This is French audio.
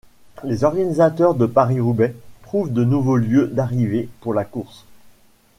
Les organisateurs de Paris-Roubaix trouvent de nouveaux lieux d'arrivée pour la course.